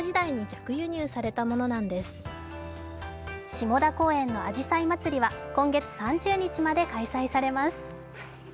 下田公園のあじさい祭は今月３０日まで開催されます。